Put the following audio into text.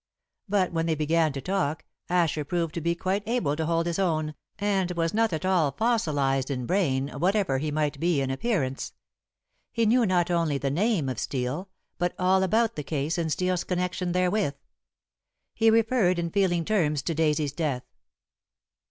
But when they began to talk Asher proved to be quite able to hold his own, and was not at all fossilized in brain, whatever he might be in appearance. He knew not only the name of Steel, but all about the case and Steel's connection therewith. He referred in feeling terms to Daisy's death.